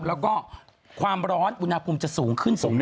แล้วก็ความร้อนอุณหภูมิจะสูงขึ้นสูง